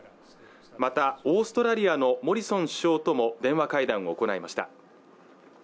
またオーストラリアのモリソン首相とも電話会談を行いました